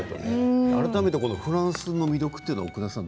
フランスの魅力というのは奥田さん